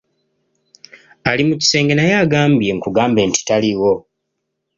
Ali mu kisenge naye angambye nkugambe nti taliiwo.